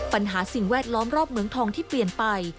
สิ่งแวดล้อมรอบเมืองทองที่เปลี่ยนไป